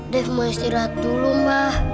deh mau istirahat dulu mah